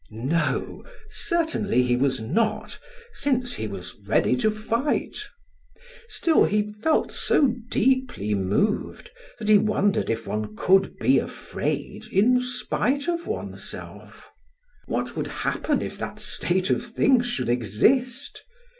No, certainly he was not, since he was ready to fight. Still he felt so deeply moved that he wondered if one could be afraid in spite of oneself. What would happen if that state of things should exist?